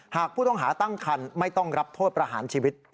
หากผู้ต้องหาตั้งคันไม่ต้องรับโทษประหารชีวิต